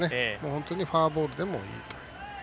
本当にフォアボールでもいいという。